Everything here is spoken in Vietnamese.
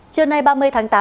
trưa nay ba mươi tháng tám